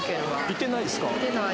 いてないですか？